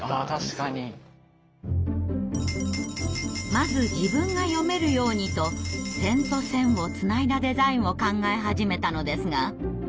「まず自分が読めるように」と点と線をつないだデザインを考え始めたのですが。